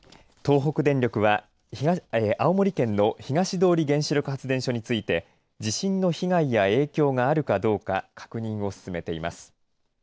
東北電力は青森県の東通原子力発電所について地震の被害や影響があるかどうか確認を進めています。